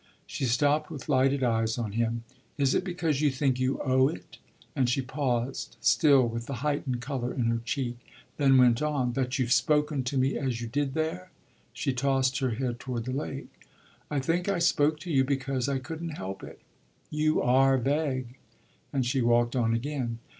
She stopped with lighted eyes on him. "Is it because you think you owe it " and she paused, still with the heightened colour in her cheek, then went on "that you've spoken to me as you did there?" She tossed her head toward the lake. "I think I spoke to you because I couldn't help it." "You are vague!" And she walked on again.